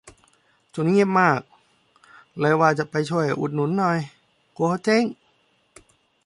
ช่วงนี้เงียบมาก เลยว่าจะไปช่วยอุดหนุนหน่อย กลัวเขาเจ๊ง